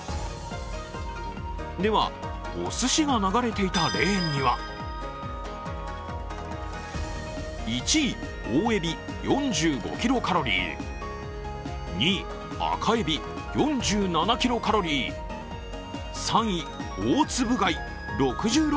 では、おすしが流れていたレーンには１位、大えび、４５キロカロリー、２位、赤えび、４７キロカロリー、３位、大つぶ貝６６